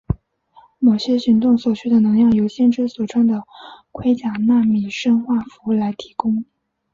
某些行动所需的能量由先知所穿的盔甲纳米生化服来提供。